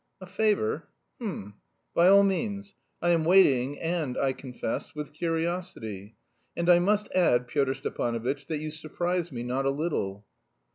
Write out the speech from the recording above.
"A favour? H'm... by all means; I am waiting and, I confess, with curiosity. And I must add, Pyotr Stepanovitch, that you surprise me not a little."